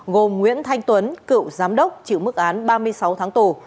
gồm nguyễn thanh tuấn cựu giám đốc chịu mức án ba mươi sáu tháng tù